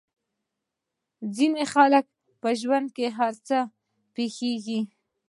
د ځينې خلکو ژوند کې هر څه پېښېږي.